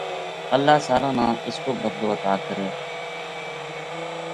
اللہ ساراں نا اس کو بدلو عطا کرے